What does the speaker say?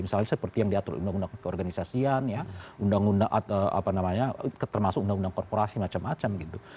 misalnya seperti yang diatur undang undang keorganisasian termasuk undang undang korporasi macam macam gitu